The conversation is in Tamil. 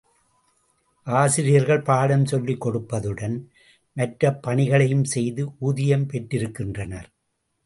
ஆசிரியர்கள் பாடம் சொல்லிக் கொடுப்பதுடன், மற்ற பணிகளையும் செய்து ஊதியம் பெற்றிருக்கின்றனர்.